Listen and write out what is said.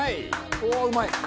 おおうまい！